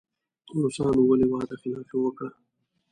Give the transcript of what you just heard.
روسانو ولې وعده خلافي وکړه.